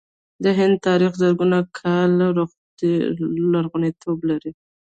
د هند تاریخ زرګونه کاله لرغونتوب لري.